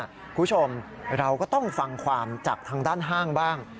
คุณผู้ชมเราก็ต้องฟังความจากทางด้านห้างบ้าง